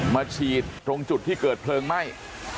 มาฉีดตรงจุดที่เกิดเพลิงไหม้